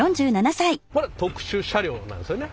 これ特殊車両なんですよね？